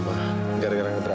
gara gara berantakin dapur